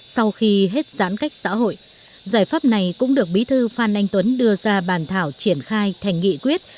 sau khi hết giãn cách xã hội giải pháp này cũng được bí thư phan anh tuấn đưa ra bàn thảo triển khai thành nghị quyết